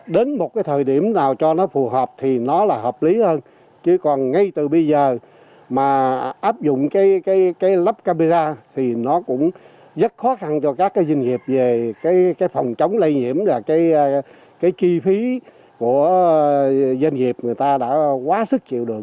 đến một cái thời điểm nào cho nó phù hợp thì nó là hợp lý hơn chứ còn ngay từ bây giờ mà áp dụng cái lắp camera thì nó cũng rất khó khăn cho các doanh nghiệp về cái phòng chống lây nhiễm và cái chi phí của doanh nghiệp người ta đã quá sức chịu được